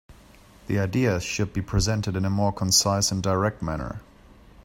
The ideas should be presented in a more concise and direct manner.